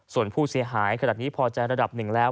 ส่วนผู้เสียหายขนาดนี้พอใจระดับหนึ่งแล้ว